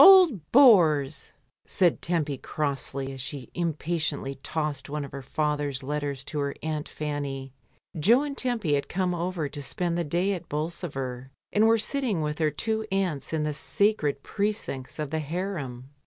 "Old bores!" said Tempy crossly as she im patiently tossed one of her father's letters to her aunt Fanny. Jo and Tempy had come over to spend the day at Bolsover, and were sitting with their two aunts in the sacred precincts of the harem.